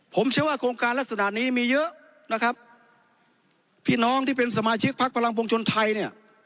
ผมเชื่อว่าโครงการลักษณะนี้มีเยอะนะครับพี่น้องที่เป็นสมาชิกพักพลังปวงชนไทยเนี่ย